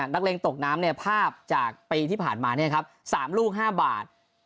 เล็งตกน้ำภาพจากปีที่ผ่านมา๓ลูก๕บาท